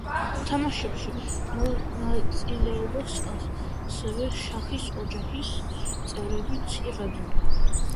თამაშებში მონაწილეობას ასევე შაჰის ოჯახის წევრებიც იღებდნენ.